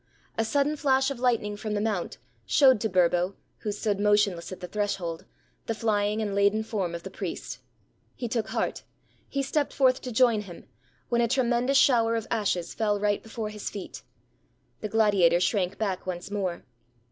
A sudden flash of lightning from the mount showed to Burbo, who stood motionless at the threshold, the flying and laden form of the priest. He took heart; he stepped forth to join him, when a tremendous shower of ashes fell right before his feet. The gladiator shrank back once more.